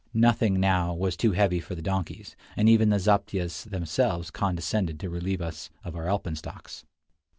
Nothing, now, was too heavy for the donkeys, and even the zaptiehs themselves condescended to relieve us of our alpenstocks.